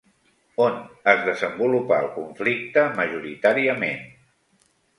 On es desenvolupà el conflicte majoritàriament?